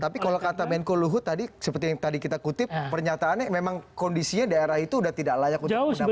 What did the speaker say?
tapi kalau kata menko luhut tadi seperti yang tadi kita kutip pernyataannya memang kondisinya daerah itu sudah tidak layak untuk mendapatkan